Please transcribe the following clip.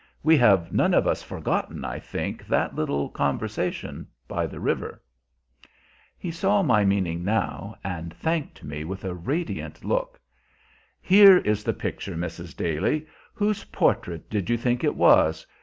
We have none of us forgotten, I think, that little conversation by the river." He saw my meaning now, and thanked me with a radiant look. "Here is the picture, Mrs. Daly. Whose portrait did you think it was?